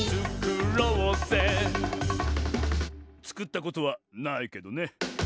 「つくったことはないけどね」